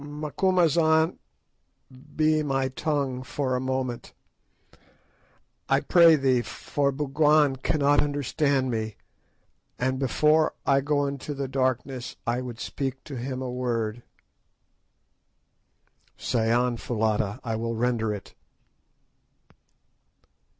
"Macumazahn, be my tongue for a moment, I pray thee, for Bougwan cannot understand me, and before I go into the darkness I would speak to him a word." "Say on, Foulata, I will render it."